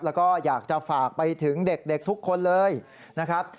แล้วก็อยากจะฝากไปถึงเด็กทุกคนเลยนะครับ